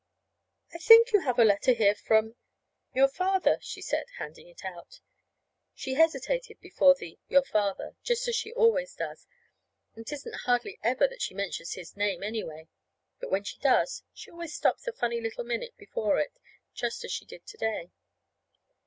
"I think you have a letter here from your father," she said, handing it out. She hesitated before the "your father" just as she always does. And 'tisn't hardly ever that she mentions his name, anyway. But when she does, she always stops a funny little minute before it, just as she did to day.